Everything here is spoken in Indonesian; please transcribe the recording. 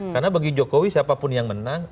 karena bagi jokowi siapapun yang menang